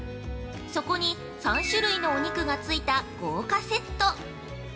そこに３種類のお肉がついた豪華セット。